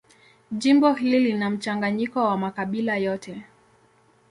Jimbo hili lina mchanganyiko wa makabila yote.